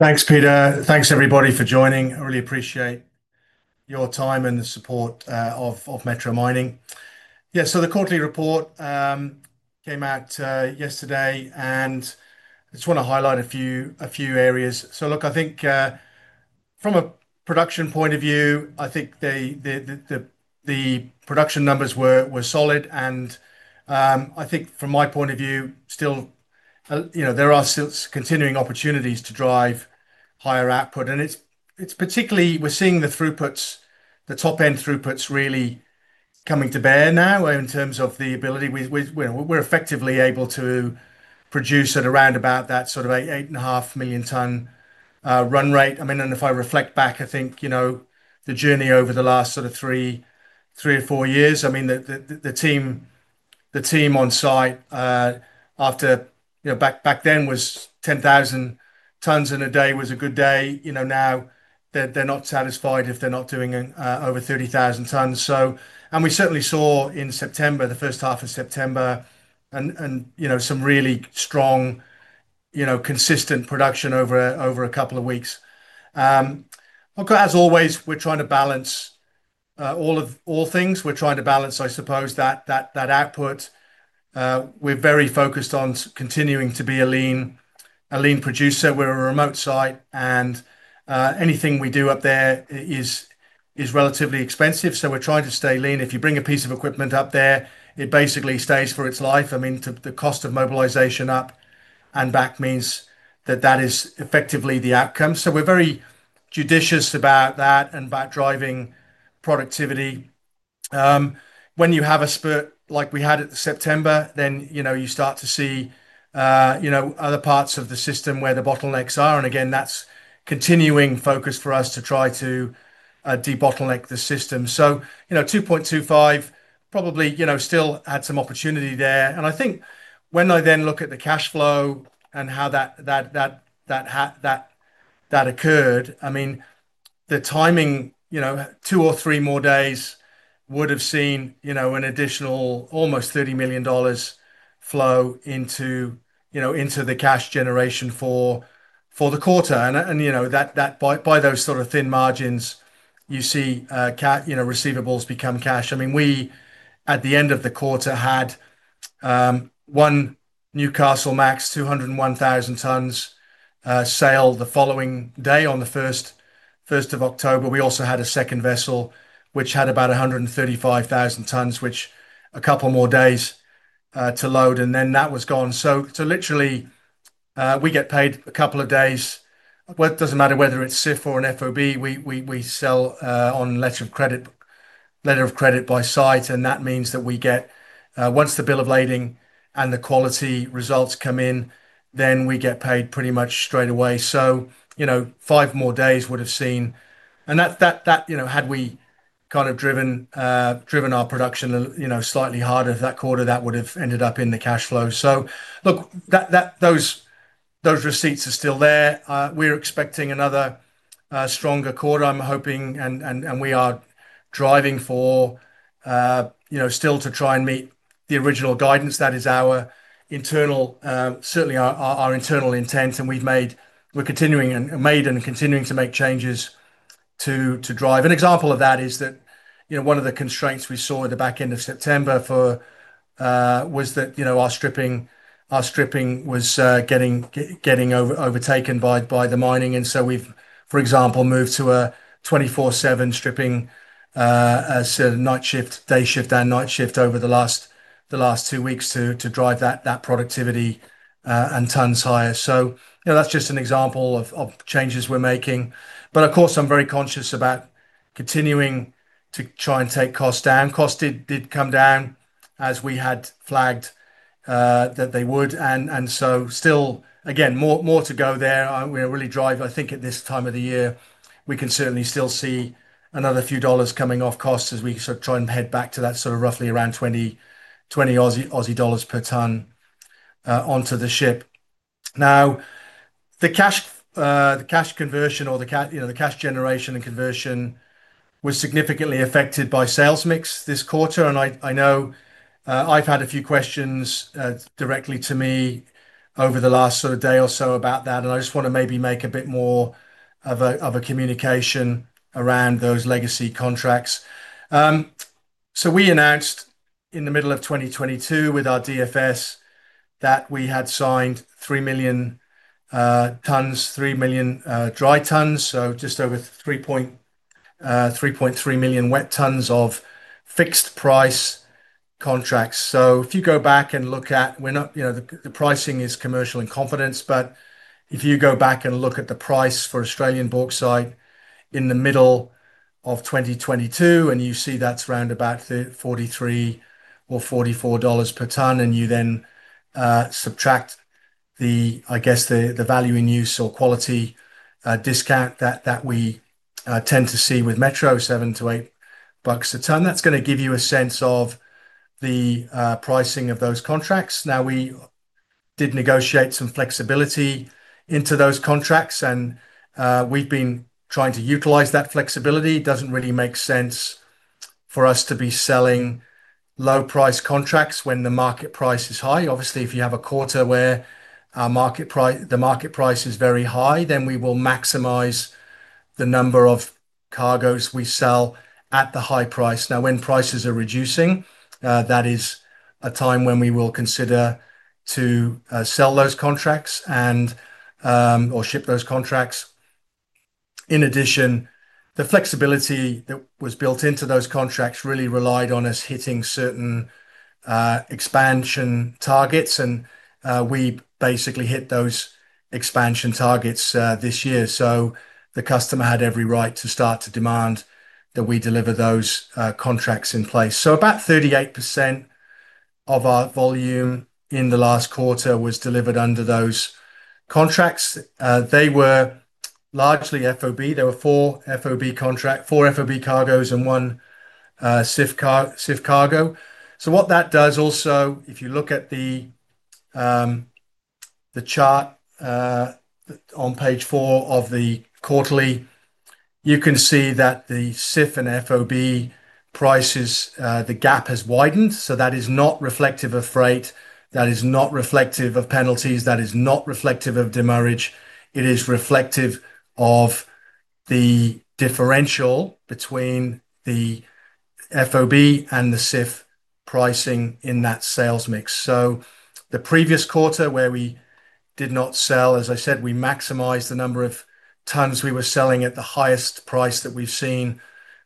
Thanks, Peter. Thanks, everybody, for joining. I really appreciate your time and the support of Metro Mining. Yeah, so the quarterly report came out yesterday, and I just want to highlight a few areas. Look, I think from a production point of view, I think the production numbers were solid, and I think from my point of view, still, you know, there are still continuing opportunities to drive higher output. It's particularly, we're seeing the throughputs, the top-end throughputs really coming to bear now in terms of the ability we're effectively able to produce at around about that sort of 8.5 million ton run rate. I mean, and if I reflect back, I think, you know, the journey over the last sort of three or four years, the team on site, after, you know, back then was 10,000 tons in a day was a good day. Now they're not satisfied if they're not doing over 30,000 tons. We certainly saw in September, the first half of September, some really strong, consistent production over a couple of weeks. As always, we're trying to balance all things. We're trying to balance, I suppose, that output. We're very focused on continuing to be a lean producer. We're a remote site, and anything we do up there is relatively expensive. We're trying to stay lean. If you bring a piece of equipment up there, it basically stays for its life. The cost of mobilization up and back means that that is effectively the outcome. We're very judicious about that and about driving productivity. When you have a spurt like we had at September, you start to see other parts of the system where the bottlenecks are. That's continuing focus for us to try to de-bottleneck the system. [2.25] probably, you know, still had some opportunity there. When I then look at the cash flow and how that occurred, the timing, two or three more days would have seen an additional almost $30 million flow into the cash generation for the quarter. By those sort of thin margins, you see receivables become cash. At the end of the quarter, we had one Newcastle MAX 201,000 tons sailed the following day on the 1st of October. We also had a second vessel, which had about 135,000 tons, which a couple more days to load, and then that was gone. Literally, we get paid a couple of days. It doesn't matter whether it's CIF or an FOB. We sell on letter of credit by sight, and that means that we get, once the bill of lading and the quality results come in, then we get paid pretty much straight away. Five more days would have seen, and that, had we kind of driven our production slightly harder that quarter, that would have ended up in the cash flow. Those receipts are still there. We're expecting another stronger quarter, I'm hoping, and we are driving for, still to try and meet the original guidance. That is certainly our internal intent, and we've made, we're continuing and made and continuing to make changes to drive. An example of that is that one of the constraints we saw at the back end of September was that our stripping was getting overtaken by the mining. For example, we've moved to a 24/7 stripping, as a night shift, day shift, and night shift over the last two weeks to drive that productivity and tons higher. That's just an example of changes we're making. Of course, I'm very conscious about continuing to try and take costs down. Costs did come down as we had flagged that they would. Still, again, more to go there. We are really driving, I think at this time of the year, we can certainly still see another few dollars coming off costs as we sort of try and head back to that sort of roughly around $20 per ton onto the ship. Now, the cash conversion or the cash generation and conversion was significantly affected by sales mix this quarter. I know I've had a few questions directly to me over the last sort of day or so about that. I just want to maybe make a bit more of a communication around those legacy contracts. We announced in the middle of 2022 with our DFS that we had signed 3 million tons, 3 million dry tons, so just over 3.3 million wet tons of fixed-price contracts. If you go back and look at, we're not, the pricing is commercial and confidence, but if you go back and look at the price for Australian bauxite in the middle of 2022 and you see that's around about $43 or $44 per ton, and you then subtract the, I guess, the value in use or quality discount that we tend to see with Metro, $7-$8 a ton, that's going to give you a sense of the pricing of those contracts. We did negotiate some flexibility into those contracts, and we've been trying to utilize that flexibility. It doesn't really make sense for us to be selling low-price contracts when the market price is high. Obviously, if you have a quarter where the market price is very high, then we will maximize the number of cargoes we sell at the high price. Now, when prices are reducing, that is a time when we will consider to sell those contracts and/or ship those contracts. In addition, the flexibility that was built into those contracts really relied on us hitting certain expansion targets, and we basically hit those expansion targets this year. The customer had every right to start to demand that we deliver those contracts in place. About 38% of our volume in the last quarter was delivered under those contracts. They were largely FOB. There were four FOB cargoes and one CIF cargo. If you look at the chart on page four of the quarterly, you can see that the CIF and FOB prices, the gap has widened. That is not reflective of freight. That is not reflective of penalties. That is not reflective of demurrage. It is reflective of the differential between the FOB and the CIF pricing in that sales mix. The previous quarter where we did not sell, as I said, we maximized the number of tons we were selling at the highest price that we've seen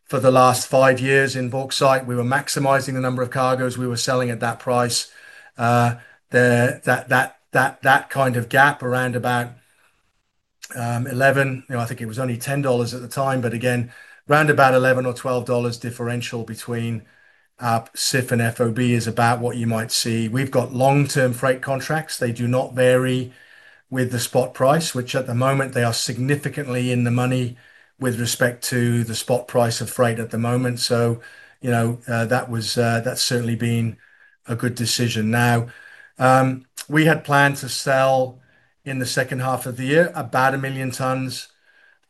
for the last five years in bauxite. We were maximizing the number of cargoes we were selling at that price. That kind of gap around about 11, you know, I think it was only $10 at the time, but again, around about $11 or $12 differential between CIF and FOB is about what you might see. We've got long-term freight contracts. They do not vary with the spot price, which at the moment they are significantly in the money with respect to the spot price of freight at the moment. That has certainly been a good decision. We had planned to sell in the second half of the year about 1 million tons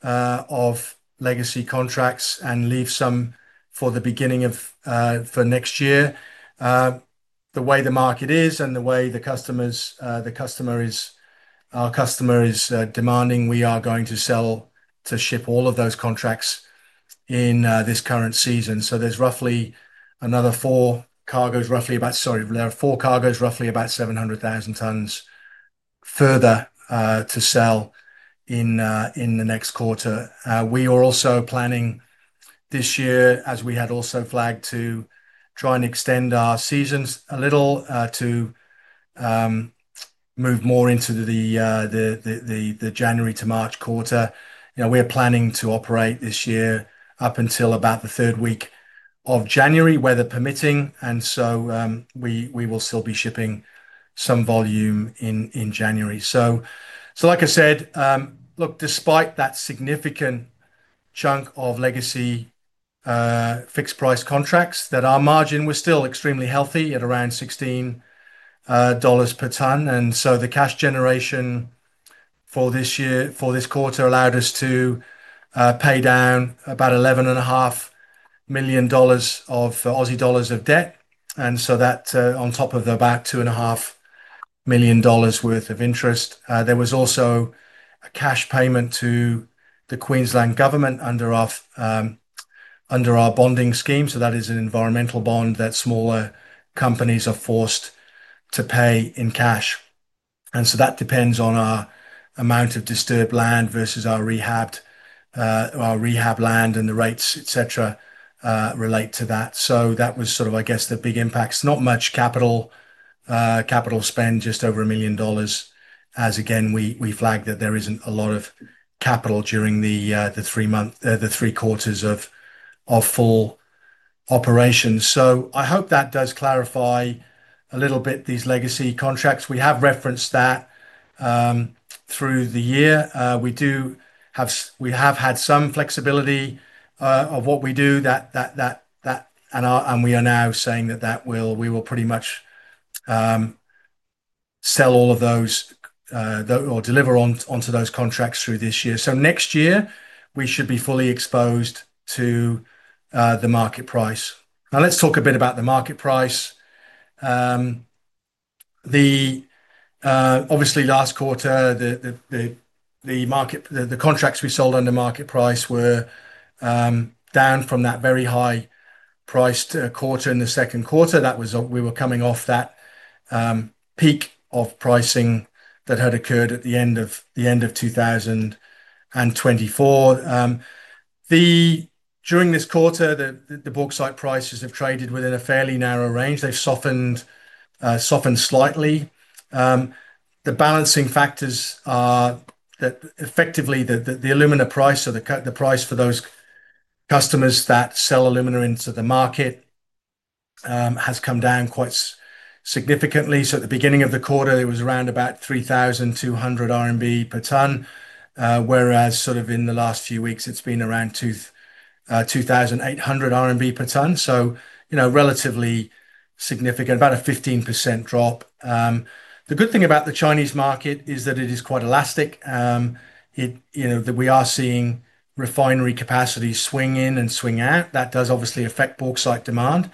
of legacy contracts and leave some for the beginning of next year. The way the market is and the way the our customer is demanding, we are going to sell to ship all of those contracts in this current season. There's sorry, four cargoes, roughly about 700,000 tons further to sell in the next quarter. We are also planning this year, as we had also flagged, to try and extend our seasons a little to move more into the January to March quarter. We are planning to operate this year up until about the third week of January, weather permitting. We will still be shipping some volume in January. Like I said, despite that significant chunk of legacy fixed-price contracts, our margin was still extremely healthy at around $16 per ton. The cash generation for this quarter allowed us to pay down about $11.5 million of Aussie dollars of debt. On top of the about $2.5 million worth of interest, there was also a cash payment to the Queensland government under our bonding scheme. That is an environmental bond that smaller companies are forced to pay in cash. That depends on our amount of disturbed land versus our rehabbed land and the rates, etc., relate to that. That was, I guess, the big impacts. Not much capital spend, just over $1 million, as again, we flagged that there isn't a lot of capital during the three months, the three quarters of full operations. I hope that does clarify a little bit these legacy contracts. We have referenced that through the year. We have had some flexibility of what we do, and we are now saying that we will pretty much sell all of those or deliver onto those contracts through this year. Next year, we should be fully exposed to the market price. Now let's talk a bit about the market price. Obviously, last quarter, the market, the contracts we sold under market price were down from that very high-priced quarter in the second quarter. We were coming off that peak of pricing that had occurred at the end of 2024. During this quarter, the bauxite prices have traded within a fairly narrow range. They've softened slightly. The balancing factors are that effectively the aluminum price, so the price for those customers that sell aluminum into the market, has come down quite significantly. At the beginning of the quarter, it was around about 3,200 RMB per ton, whereas in the last few weeks, it's been around 2,800 RMB per ton. That is a relatively significant, about a 15% drop. The good thing about the Chinese market is that it is quite elastic. We are seeing refinery capacity swing in and swing out. That does obviously affect bauxite demand.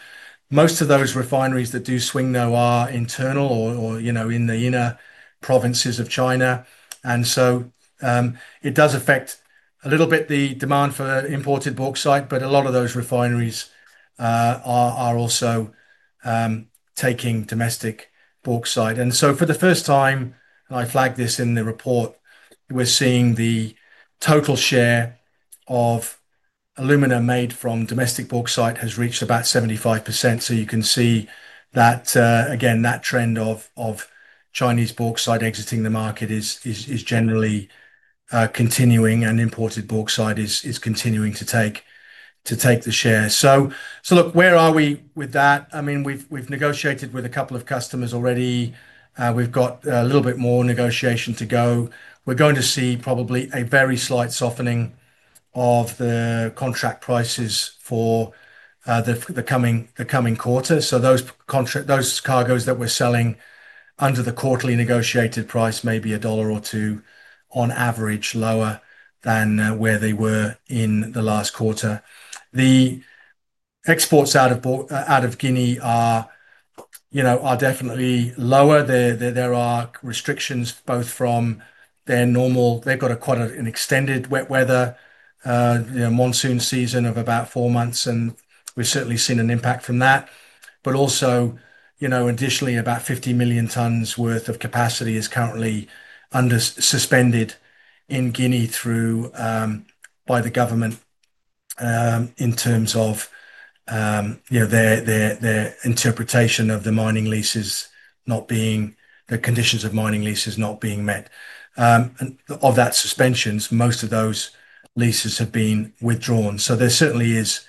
Most of those refineries that do swing though are internal or in the inner provinces of China. It does affect a little bit the demand for imported bauxite, but a lot of those refineries are also taking domestic bauxite. For the first time, and I flagged this in the report, we're seeing the total share of aluminum made from domestic bauxite has reached about 75%. You can see that, again, that trend of Chinese bauxite exiting the market is generally continuing and imported bauxite is continuing to take the share. Where are we with that? I mean, we've negotiated with a couple of customers already. We've got a little bit more negotiation to go. We're going to see probably a very slight softening of the contract prices for the coming quarter. Those cargoes that we're selling under the quarterly negotiated price may be $1 or $2 on average lower than where they were in the last quarter. The exports out of Guinea are definitely lower. There are restrictions both from their normal, they've got quite an extended wet weather, monsoon season of about four months, and we've certainly seen an impact from that. Additionally, about 50 million tons worth of capacity is currently under suspended in Guinea by the government in terms of their interpretation of the mining leases not being, the conditions of mining leases not being met. Of that suspensions, most of those leases have been withdrawn. There certainly is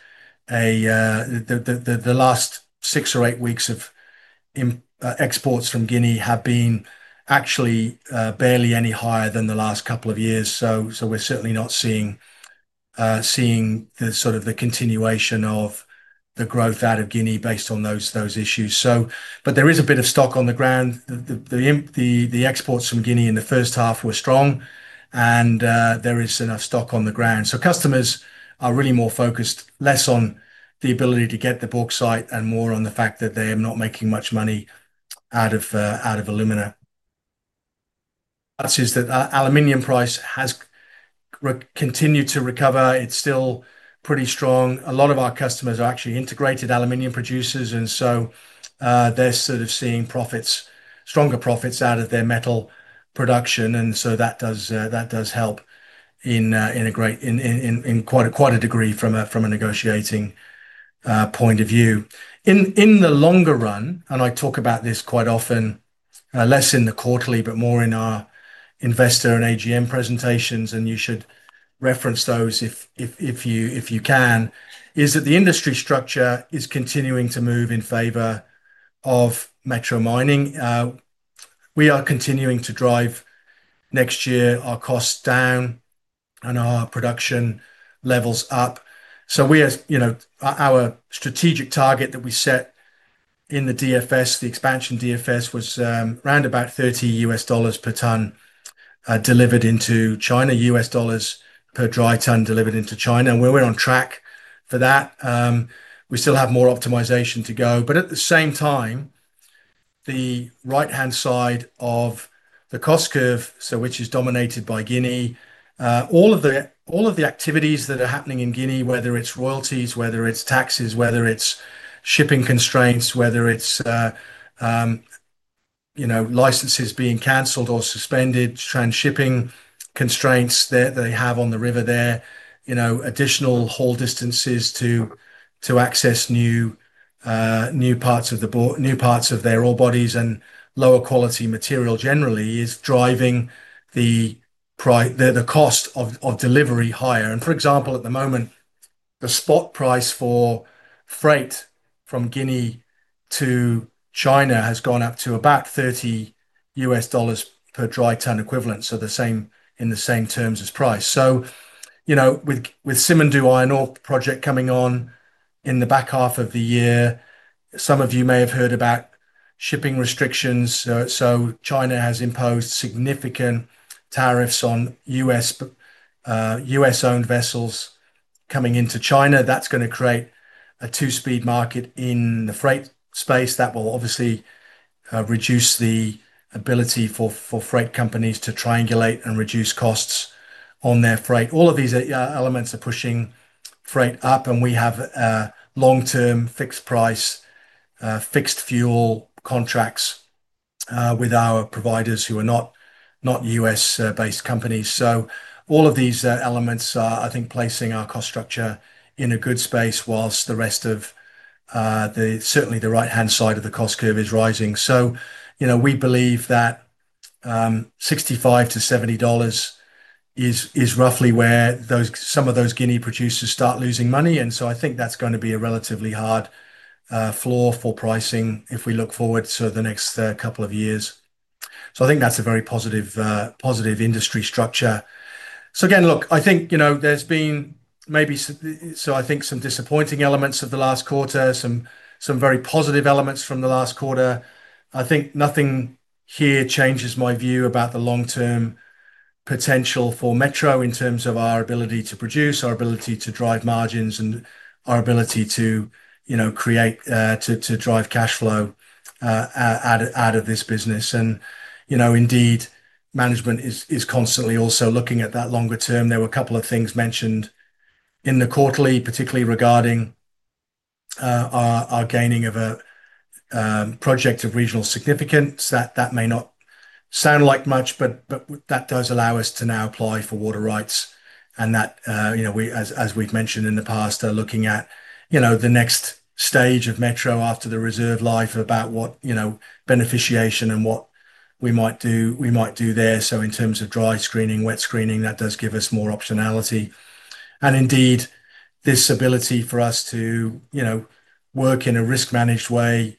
a, the last six or eight weeks of exports from Guinea have been actually barely any higher than the last couple of years. We're certainly not seeing the continuation of the growth out of Guinea based on those issues. There is a bit of stock on the ground. The exports from Guinea in the first half were strong and there is enough stock on the ground. Customers are really more focused less on the ability to get the bauxite and more on the fact that they are not making much money out of aluminum. That aluminum price has continued to recover. It's still pretty strong. A lot of our customers are actually integrated aluminum producers and so they're sort of seeing profits, stronger profits out of their metal production. That does help in quite a degree from a negotiating point of view. In the longer run, and I talk about this quite often, less in the quarterly but more in our investor and AGM presentations, and you should reference those if you can, the industry structure is continuing to move in favor of Metro Mining. We are continuing to drive next year our costs down and our production levels up. Our strategic target that we set in the DFS, the expansion DFS, was around about $30 per ton delivered into China, $30 per dry ton delivered into China. We're on track for that. We still have more optimization to go. At the same time, the right-hand side of the cost curve, which is dominated by Guinea, all of the activities that are happening in Guinea, whether it's royalties, taxes, shipping constraints, licenses being canceled or suspended, transshipping constraints that they have on the river there, additional haul distances to access new parts of their ore bodies, and lower quality material generally is driving the cost of delivery higher. For example, at the moment, the spot price for freight from Guinea to China has gone up to about $30 per dry ton equivalent, so the same in the same terms as price. With Simandou Iron Ore project coming on in the back half of the year, some of you may have heard about shipping restrictions. China has imposed significant tariffs on U.S.-owned vessels coming into China. That's going to create a two-speed market in the freight space. That will obviously reduce the ability for freight companies to triangulate and reduce costs on their freight. All of these elements are pushing freight up and we have long-term fixed-price, fixed-fuel contracts with our providers who are not U.S.-based companies. All of these elements are, I think, placing our cost structure in a good space whilst the rest of the, certainly the right-hand side of the cost curve is rising. We believe that $65-$70 is roughly where some of those Guinea producers start losing money. I think that's going to be a relatively hard floor for pricing if we look forward to the next couple of years. I think that's a very positive industry structure. I think there have been maybe some disappointing elements of the last quarter, some very positive elements from the last quarter. I think nothing here changes my view about the long-term potential for Metro Mining in terms of our ability to produce, our ability to drive margins, and our ability to create, to drive cash flow out of this business. Indeed, management is constantly also looking at that longer-term. There were a couple of things mentioned in the quarterly, particularly regarding our gaining of a project of regional significance. That may not sound like much, but that does allow us to now apply for water rights. As we've mentioned in the past, looking at the next stage of Metro Mining after the reserve life, about what beneficiation and what we might do, we might do there. In terms of dry screening, wet screening, that does give us more optionality. Indeed, this ability for us to work in a risk-managed way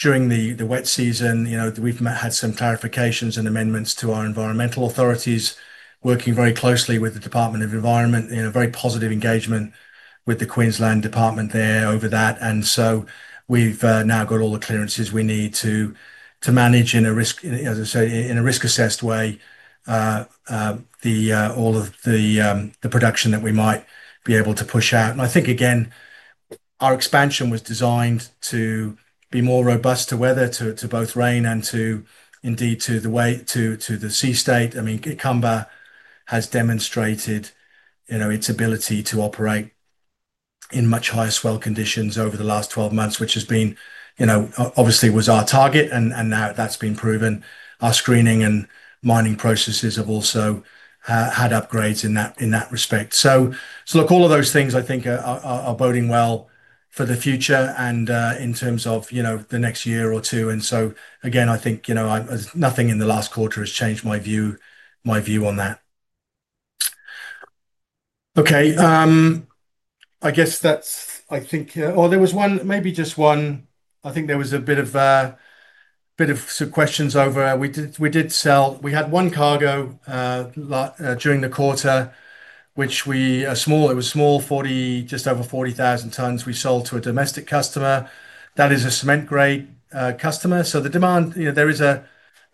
during the wet season, we've had some clarifications and amendments to our environmental authorities, working very closely with the Department of Environment, very positive engagement with the Queensland Department there over that. We've now got all the clearances we need to manage in a risk, as I say, in a risk-assessed way, all of the production that we might be able to push out. I think, again, our expansion was designed to be more robust to weather, to both rain and to the way to the sea state. Ikamba has demonstrated its ability to operate in much higher swell conditions over the last 12 months, which has been, obviously was our target, and now that's been proven. Our screening and mining processes have also had upgrades in that respect. All of those things, I think, are boding well for the future and in terms of the next year or two. Again, I think nothing in the last quarter has changed my view on that. I guess that's, I think, oh, there was one, maybe just one, I think there was a bit of some questions over. We did sell, we had one cargo during the quarter, which we are small. It was small, just over 40,000 tons we sold to a domestic customer. That is a cement-grade customer. The demand, there is a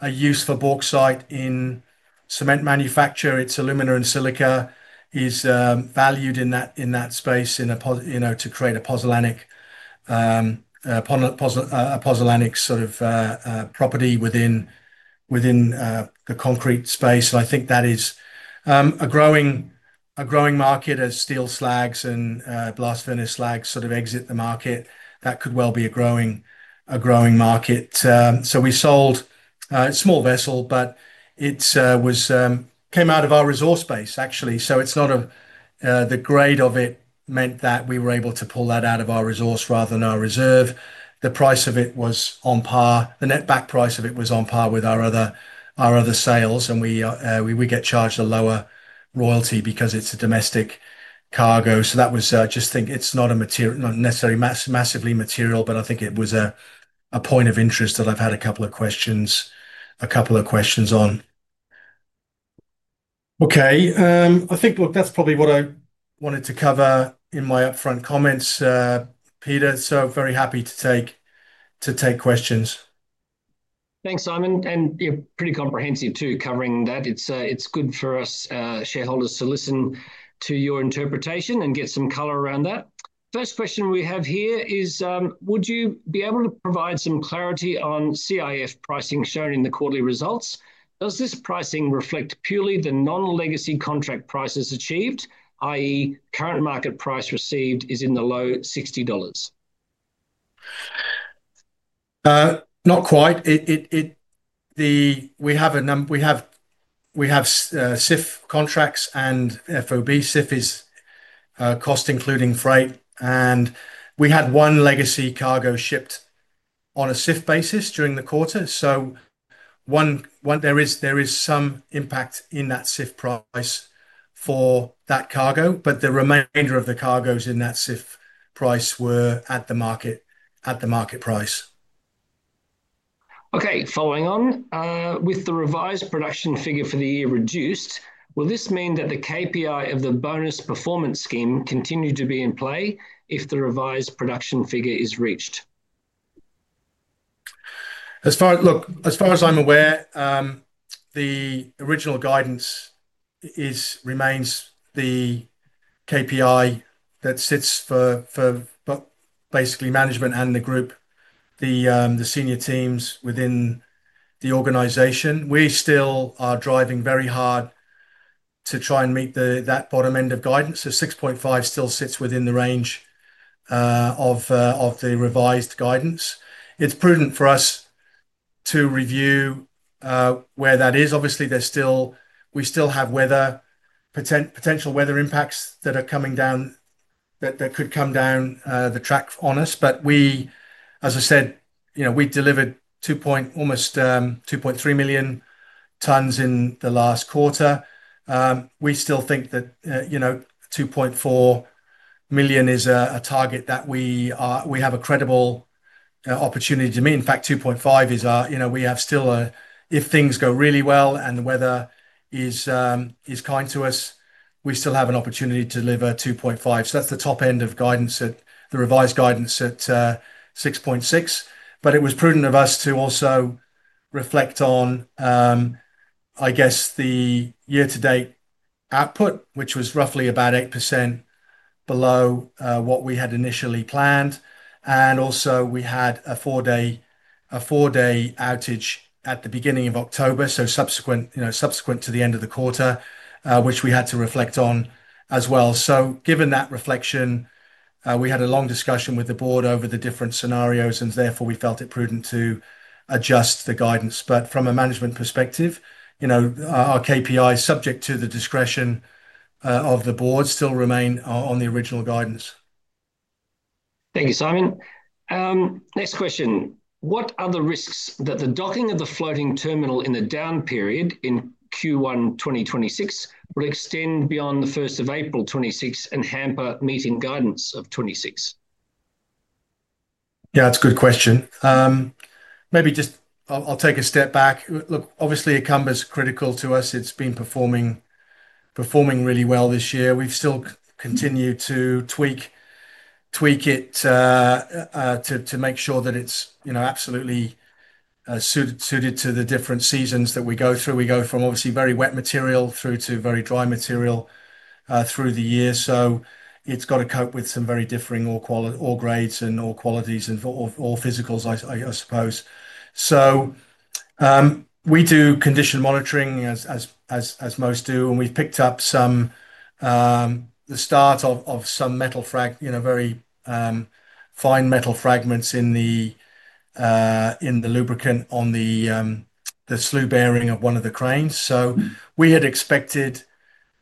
use for bauxite in cement manufacture. Its aluminum and silica is valued in that space to create a pozzolanic sort of property within the concrete space. I think that is a growing market as steel slags and blast furnace slags sort of exit the market. That could well be a growing market. We sold a small vessel, but it came out of our resource base, actually. The grade of it meant that we were able to pull that out of our resource rather than our reserve. The price of it was on par. The net back price of it was on par with our other sales. We get charged a lower royalty because it's a domestic cargo. That was just, it's not a material, not necessarily massively material, but I think it was a point of interest that I've had a couple of questions on. I think that's probably what I wanted to cover in my upfront comments, Peter. Very happy to take questions. Thanks, Simon. You're pretty comprehensive too, covering that. It's good for us shareholders to listen to your interpretation and get some color around that. First question we have here is, would you be able to provide some clarity on CIF pricing shown in the quarterly results? Does this pricing reflect purely the non-legacy contract prices achieved, i.e., current market price received is in the low $60? Not quite. We have a number, we have CIF contracts and FOB. CIF is cost including freight. We had one legacy cargo shipped on a CIF basis during the quarter. There is some impact in that CIF price for that cargo, but the remainder of the cargoes in that CIF price were at the market price. Okay, following on with the revised production figure for the year reduced, will this mean that the KPI of the bonus performance scheme continued to be in play if the revised production figure is reached? As far as I'm aware, the original guidance remains the KPI that sits for basically management and the group, the senior teams within the organization. We still are driving very hard to try and meet that bottom end of guidance. So $6.5 million still sits within the range of the revised guidance. It's prudent for us to review where that is. Obviously, we still have potential weather impacts that are coming down, that could come down the track on us. As I said, we delivered almost 2.3 million tons in the last quarter. We still think that 2.4 million is a target that we have a credible opportunity to meet. In fact, 2.5 million is our, you know, we have still a, if things go really well and the weather is kind to us, we still have an opportunity to deliver 2.5 million. That's the top end of guidance, the revised guidance at $6.6 million. It was prudent of us to also reflect on, I guess, the year-to-date output, which was roughly about 8% below what we had initially planned. Also, we had a four-day outage at the beginning of October. Subsequent to the end of the quarter, which we had to reflect on as well. Given that reflection, we had a long discussion with the board over the different scenarios, and therefore we felt it prudent to adjust the guidance. From a management perspective, our KPIs subject to the discretion of the board still remain on the original guidance. Thank you, Simon. Next question. What are the risks that the docking of the floating terminal in the down period in Q1 2026 will extend beyond April 1, 2026, and hamper meeting guidance for 2026? Yeah, that's a good question. Maybe just I'll take a step back. Look, obviously, Ikamba is critical to us. It's been performing really well this year. We've still continued to tweak it to make sure that it's, you know, absolutely suited to the different seasons that we go through. We go from obviously very wet material through to very dry material through the year. It's got to cope with some very differing ore grades and ore qualities and ore physicals, I suppose. We do condition monitoring as most do, and we've picked up the start of some metal, you know, very fine metal fragments in the lubricant on the slew bearing of one of the cranes. We had expected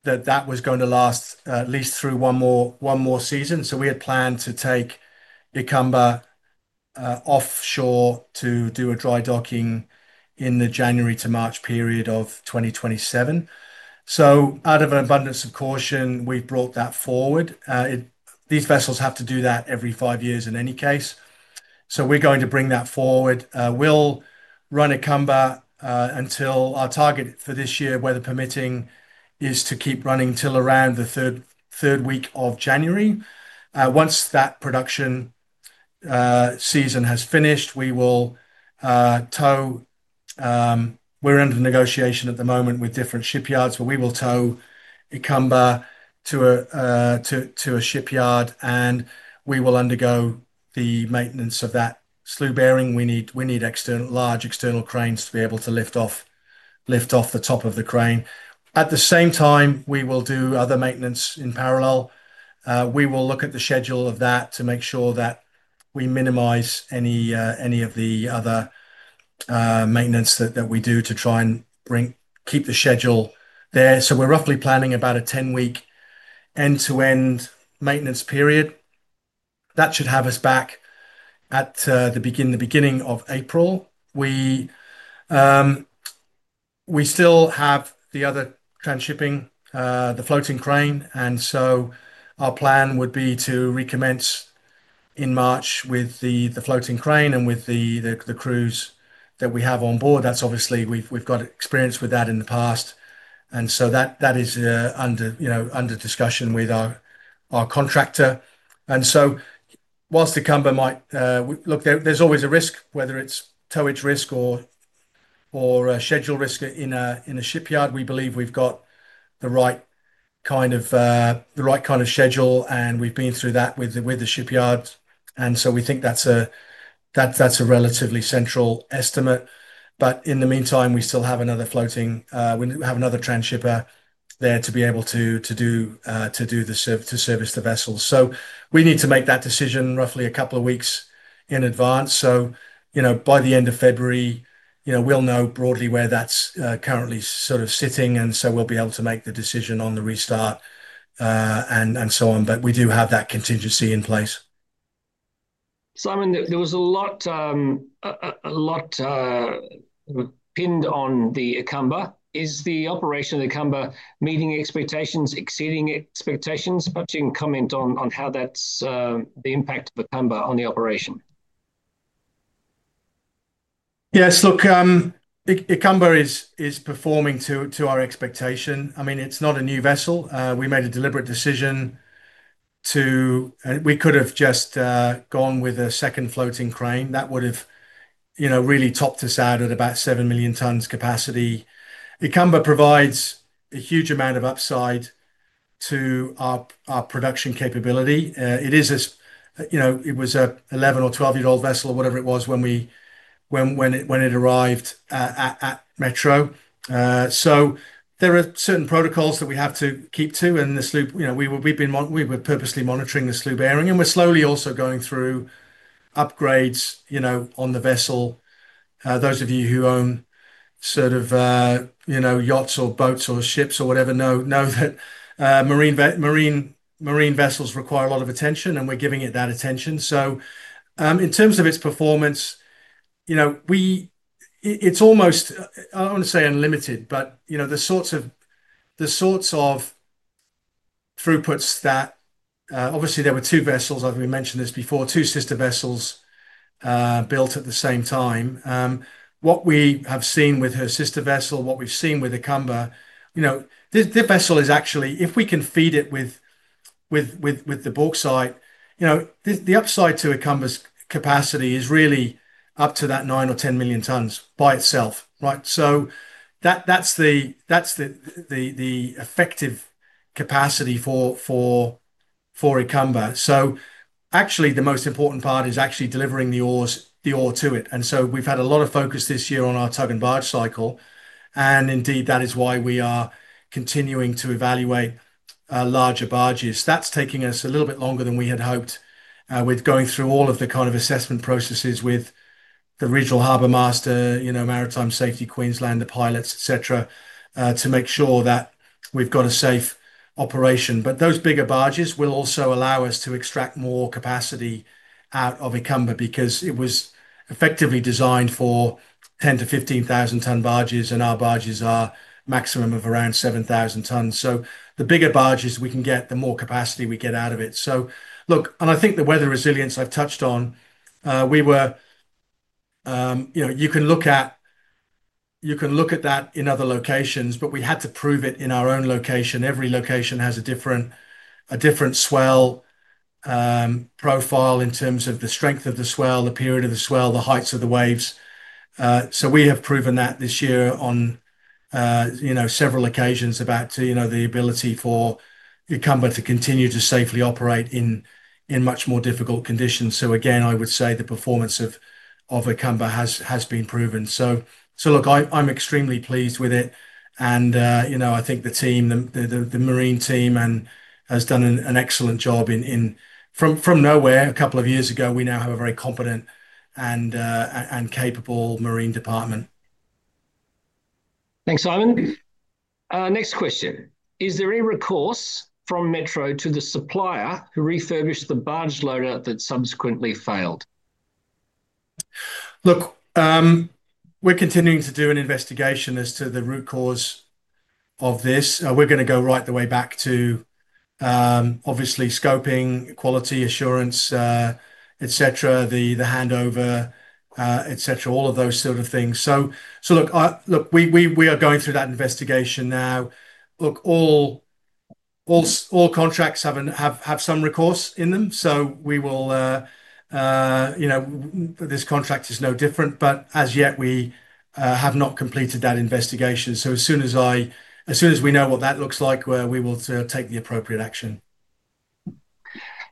that that was going to last at least through one more season. We had planned to take Ikamba offshore to do a dry docking in the January to March period of 2027. Out of an abundance of caution, we've brought that forward. These vessels have to do that every five years in any case. We're going to bring that forward. We'll run Ikamba until our target for this year, weather permitting, is to keep running till around the third week of January. Once that production season has finished, we will tow. We're under negotiation at the moment with different shipyards, but we will tow Ikamba to a shipyard, and we will undergo the maintenance of that slew bearing. We need large external cranes to be able to lift off the top of the crane. At the same time, we will do other maintenance in parallel. We will look at the schedule of that to make sure that we minimize any of the other maintenance that we do to try and keep the schedule there. We're roughly planning about a 10-week end-to-end maintenance period. That should have us back at the beginning of April. We still have the other transshipping, the floating crane, and our plan would be to recommence in March with the floating crane and with the crews that we have on board. We've got experience with that in the past. That is under discussion with our contractor. Whilst Ikamba might, look, there's always a risk, whether it's towage risk or schedule risk in a shipyard, we believe we've got the right kind of schedule, and we've been through that with the shipyards. We think that's a relatively central estimate. In the meantime, we still have another floating, we have another transshipper there to be able to do the service to service the vessels. We need to make that decision roughly a couple of weeks in advance. By the end of February, you know, we'll know broadly where that's currently sort of sitting, and we'll be able to make the decision on the restart and so on. We do have that contingency in place. Simon, there was a lot pinned on the Ikamba. Is the operation of the Ikamba meeting expectations, exceeding expectations? Comment on how that's the impact of the Ikamba on the operation. Yes, look, Ikamba is performing to our expectation. I mean, it's not a new vessel. We made a deliberate decision to, and we could have just gone with a second floating crane. That would have, you know, really topped us out at about 7 million tons capacity. Ikamba provides a huge amount of upside to our production capability. It is a, you know, it was an 11- or 12-year-old vessel or whatever it was when we, when it arrived at Metro Mining. There are certain protocols that we have to keep to, and the slew, you know, we've been, we were purposely monitoring the slew bearing, and we're slowly also going through upgrades, you know, on the vessel. Those of you who own sort of, you know, yachts or boats or ships or whatever know that marine vessels require a lot of attention, and we're giving it that attention. In terms of its performance, you know, we, it's almost, I don't want to say unlimited, but you know, the sorts of throughputs that obviously there were two vessels, I've mentioned this before, two sister vessels built at the same time. What we have seen with her sister vessel, what we've seen with Ikamba, you know, the vessel is actually, if we can feed it with the bauxite, you know, the upside to Ikamba's capacity is really up to that 9 million tons or 10 million tons by itself, right? That's the effective capacity for Ikamba. Actually, the most important part is actually delivering the ore to it. We have had a lot of focus this year on our tug and barge cycle, and indeed, that is why we are continuing to evaluate larger barges. That's taking us a little bit longer than we had hoped with going through all of the kind of assessment processes with the regional harbour master, maritime safety, Queensland, the pilots, etc., to make sure that we've got a safe operation. Those bigger barges will also allow us to extract more capacity out of Ikamba because it was effectively designed for 10,000 to 15,000 ton barges, and our barges are a maximum of around 7,000 tons. The bigger barges we can get, the more capacity we get out of it. I think the weather resilience I've touched on, you can look at, you can look at that in other locations, but we had to prove it in our own location. Every location has a different, a different swell profile in terms of the strength of the swell, the period of the swell, the heights of the waves. We have proven this year on several occasions the ability for Ikamba to continue to safely operate in much more difficult conditions. I would say the performance of Ikamba has been proven. I'm extremely pleased with it, and I think the team, the marine team, has done an excellent job. From nowhere a couple of years ago, we now have a very competent and capable marine department. Thanks, Simon. Next question. Is there a recourse from Metro Mining to the supplier who refurbished the barge loader that subsequently failed? Look, we're continuing to do an investigation as to the root cause of this. We're going to go right the way back to obviously scoping, quality assurance, the handover, all of those sort of things. We are going through that investigation now. All contracts have some recourse in them. This contract is no different, but as yet, we have not completed that investigation. As soon as we know what that looks like, we will take the appropriate action.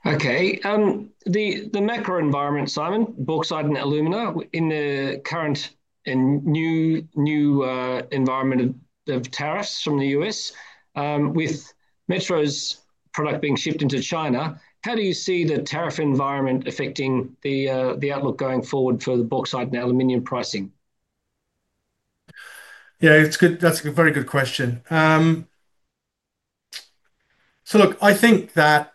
Okay. The Metro environment, Simon, bauxite and aluminum in the current and new environment of tariffs from the U.S., with Metro's product being shipped into China, how do you see the tariff environment affecting the outlook going forward for the bauxite and aluminum pricing? Yeah, that's a very good question. I think that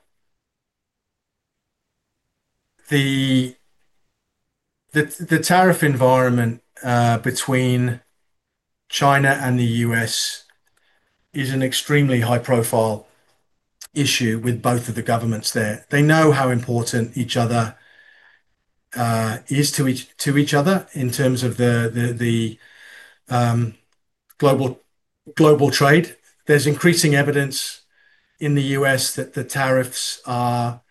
the tariff environment between China and the U.S. is an extremely high-profile issue with both of the governments there. They know how important each other is to each other in terms of global trade. There's increasing evidence in the U.S. that the tariffs are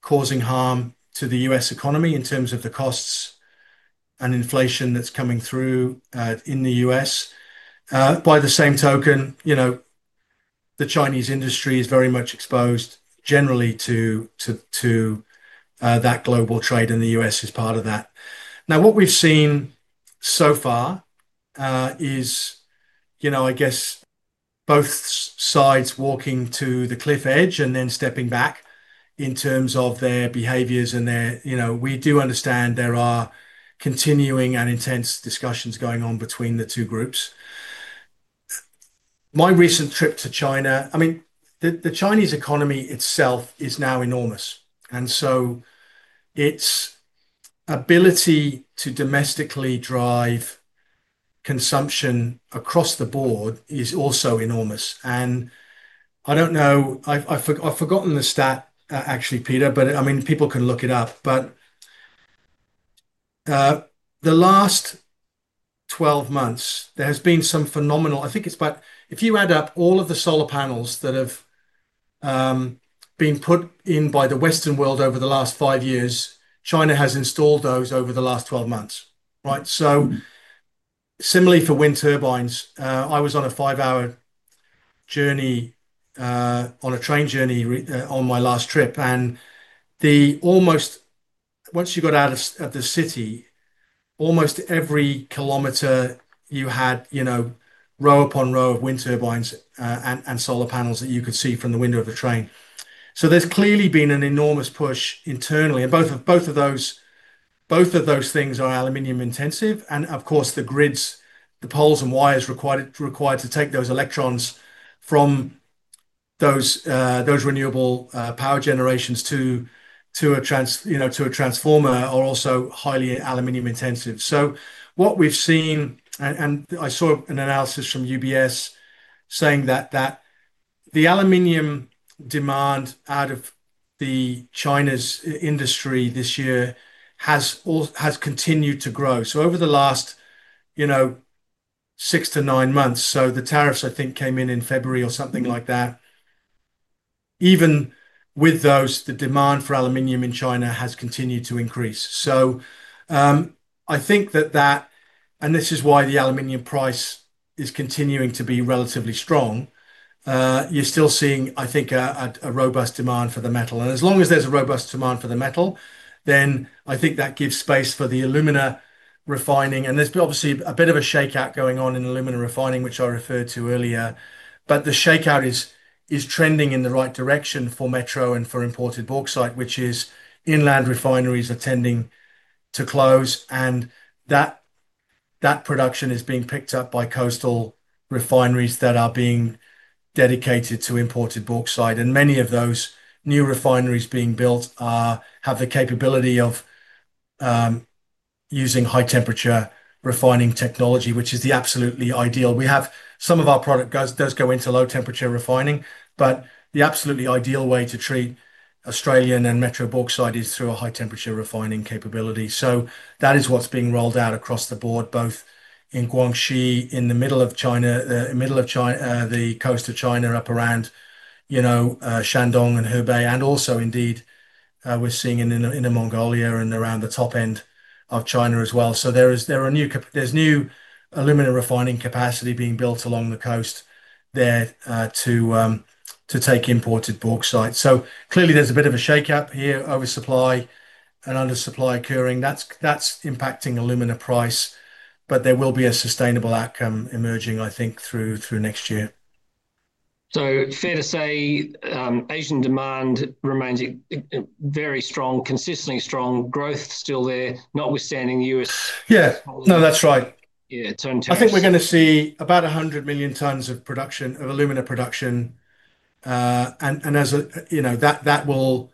causing harm to the U.S. economy in terms of the costs and inflation that's coming through in the U.S. By the same token, the Chinese industry is very much exposed generally to that global trade, and the U.S. is part of that. What we've seen so far is both sides walking to the cliff edge and then stepping back in terms of their behaviors. We do understand there are continuing and intense discussions going on between the two groups. My recent trip to China, the Chinese economy itself is now enormous. Its ability to domestically drive consumption across the board is also enormous. I don't know, I've forgotten the stat actually, Peter, but people can look it up. In the last 12 months, there has been some phenomenal, I think it's about, if you add up all of the solar panels that have been put in by the Western world over the last five years, China has installed those over the last 12 months, right? Similarly for wind turbines, I was on a five-hour journey on a train journey on my last trip. Once you got out of the city, almost every kilometer, you had row upon row of wind turbines and solar panels that you could see from the window of the train. There's clearly been an enormous push internally. Both of those things are aluminum-intensive. Of course, the grids, the poles and wires required to take those electrons from those renewable power generations to a transformer are also highly aluminum-intensive. What we've seen, and I saw an analysis from UBS saying that the aluminum demand out of China's industry this year has continued to grow. Over the last six to nine months, the tariffs, I think, came in in February or something like that. Even with those, the demand for aluminum in China has continued to increase. I think that that, and this is why the aluminum price is continuing to be relatively strong. You're still seeing, I think, a robust demand for the metal. As long as there's a robust demand for the metal, then I think that gives space for the aluminum refining. There is obviously a bit of a shakeout going on in aluminum refining, which I referred to earlier. The shakeout is trending in the right direction for Metro Mining and for imported bauxite, with inland refineries tending to close. That production is being picked up by coastal refineries that are being dedicated to imported bauxite. Many of those new refineries being built have the capability of using high-temperature refining technology, which is absolutely ideal. We have some of our product that does go into low-temperature refining, but the absolutely ideal way to treat Australian and Metro Mining bauxite is through a high-temperature refining capability. That is what's being rolled out across the board, both in Guangxi, in the middle of China, the middle of the coast of China, up around Shandong and Hebei. We are also seeing it in Mongolia and around the top end of China as well. There is new aluminum refining capacity being built along the coast there to take imported bauxite. Clearly, there is a bit of a shakeout here, with oversupply and undersupply occurring. That is impacting aluminum price, but there will be a sustainable outcome emerging, I think, through next year. Fair to say Asian demand remains very strong, consistently strong. Growth is still there, notwithstanding the U.S. Yeah, no, that's right. I think we're going to see about 100 million tons of aluminum production. That will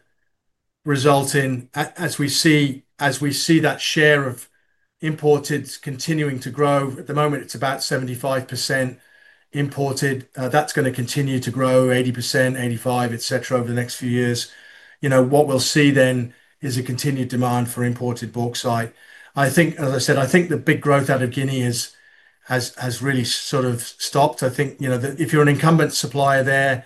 result in, as we see, that share of imported continuing to grow. At the moment, it's about 75% imported. That's going to continue to grow to 80%, 85%, etc. over the next few years. What we'll see then is a continued demand for imported bauxite. I think, as I said, the big growth out of Guinea has really sort of stopped. If you're an incumbent supplier there,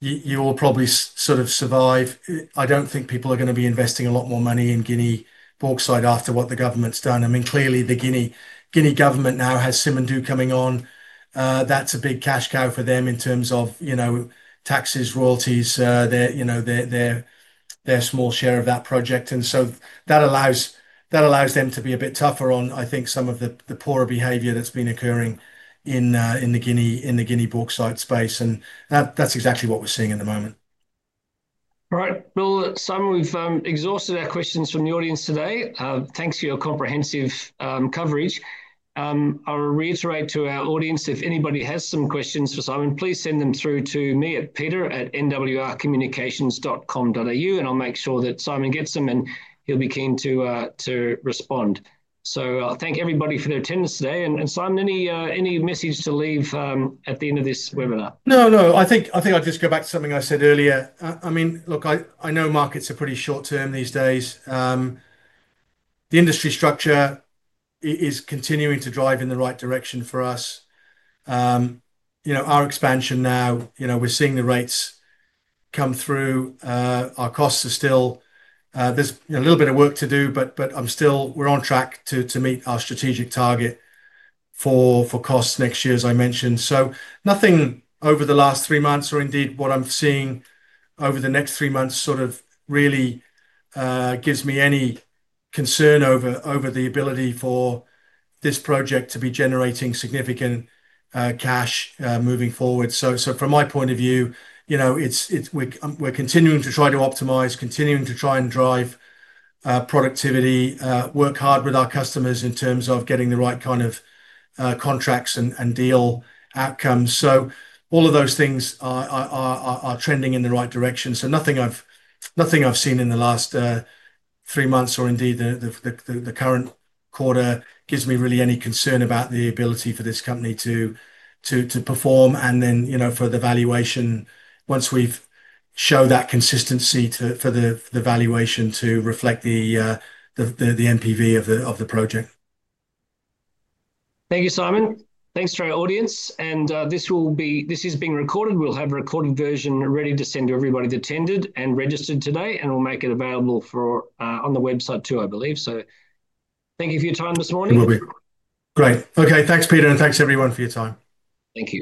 you will probably sort of survive. I don't think people are going to be investing a lot more money in Guinea bauxite after what the government's done. The Guinea government now has Simandou coming on. That's a big cash cow for them in terms of taxes, royalties, their small share of that project. That allows them to be a bit tougher on some of the poorer behavior that's been occurring in the Guinea bauxite space. That's exactly what we're seeing at the moment. All right, Simon, we've exhausted our questions from the audience today. Thanks for your comprehensive coverage. I'll reiterate to our audience, if anybody has some questions for Simon, please send them through to me at Peter at mwrcommunications.com.au, and I'll make sure that Simon gets them and he'll be keen to respond. Thank everybody for their attendance today. Simon, any message to leave at the end of this webinar? I think I'll just go back to something I said earlier. I mean, look, I know markets are pretty short-term these days. The industry structure is continuing to drive in the right direction for us. Our expansion now, we're seeing the rates come through. Our costs are still, there's a little bit of work to do, but I'm still, we're on track to meet our strategic target for costs next year, as I mentioned. Nothing over the last three months, or indeed what I'm seeing over the next three months, really gives me any concern over the ability for this project to be generating significant cash moving forward. From my point of view, we're continuing to try to optimize, continuing to try and drive productivity, work hard with our customers in terms of getting the right kind of contracts and deal outcomes. All of those things are trending in the right direction. Nothing I've seen in the last three months or indeed the current quarter gives me really any concern about the ability for this company to perform and then, for the valuation, once we show that consistency for the valuation to reflect the NPV of the project. Thank you, Simon. Thanks to our audience. This is being recorded. We'll have a recorded version ready to send to everybody that attended and registered today, and we'll make it available on the website too, I believe. Thank you for your time this morning. Will do. Great. Okay, thanks, Peter, and thanks everyone for your time. Thank you.